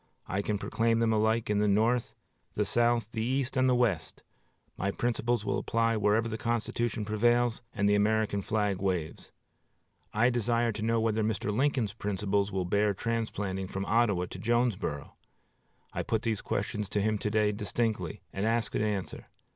I can proclaim them alike in the North, the South, the East, and the West. My principles will apply wherever the Constitution prevails and the American flag waves. I desire to know whether Mr. Lincoln's principles will bear transplanting from Ottawa to Jonesboro? I put these questions to him to day distinctly, and ask an answer.